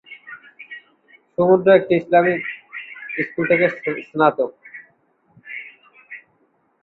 সমুদ্র একটি Islamic school থেকে স্নাতক।